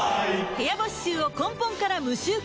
部屋干し臭を根本から無臭化